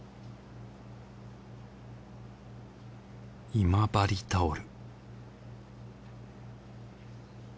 今治タオル